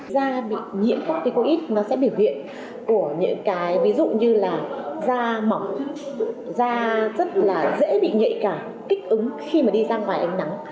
da bị nhiễm coicoid nó sẽ biểu hiện của những cái ví dụ như là da mỏng da rất là dễ bị nhạy cảm kích ứng khi mà đi ra ngoài ánh nắng